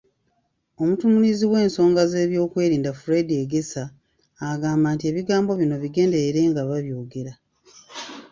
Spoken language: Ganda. Omutunuulizi w'ensonga z'ebyokwerinda, Fred Egesa, agamba nti ebigambo bino bigenderere ng'ababyogera.